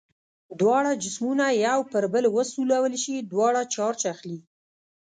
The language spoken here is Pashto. دواړه جسمونه یو پر بل وسولول شي دواړه چارج اخلي.